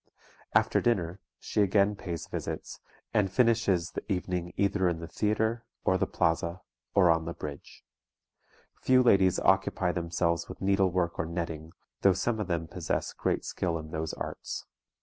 After dinner she again pays visits, and finishes the evening either in the theatre, or the Plaza, or on the bridge. Few ladies occupy themselves with needlework or netting, though some of them possess great skill in those arts.